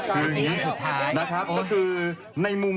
ที่บ้านของย่าน้องแอ๋มเคยมาอยู่กับน้า